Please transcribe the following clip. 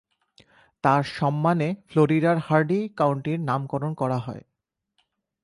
তাঁর সম্মানে ফ্লোরিডার হারডি কাউন্টির নামকরণ করা হয়।